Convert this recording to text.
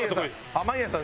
濱家さん